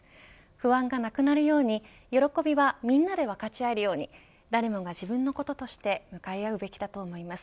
不安がなくなるように喜びはみんなで分かち合えるように誰もが自分のこととして向かい合うべきだと思います。